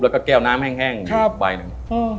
แล้วก็แก้วน้ำแห้งใบหนึ่ง